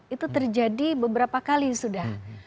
itu terjadi beberapa kali sudah